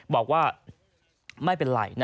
บอกว่าไม่เป็นไร